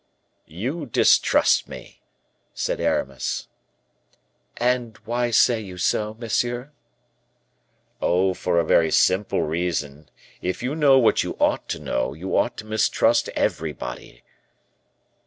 "You distrust me," said Aramis. "And why say you so, monsieur?" "Oh, for a very simple reason; if you know what you ought to know, you ought to mistrust everybody."